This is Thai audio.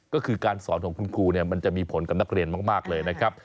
ก็คือการสอนของคุณครูมันจะมีผลกับนักเรียนมากเลยนะครับ